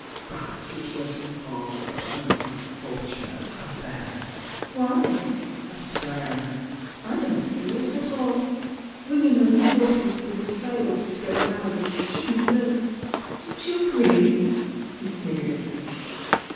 But it was rather an unfortunate a£Fair." "Why?" asked Diana. "I don't see it at all! Women over forty who have failed to get married shouldn't live! Don't you agree?" He sniggered again.